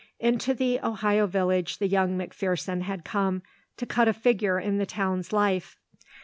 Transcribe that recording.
Into the Ohio village the young McPherson had come, to cut a figure in the town's life.